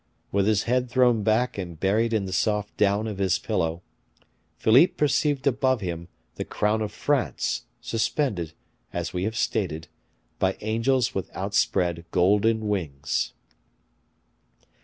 With his head thrown back and buried in the soft down of his pillow, Philippe perceived above him the crown of France, suspended, as we have stated, by angels with outspread golden wings.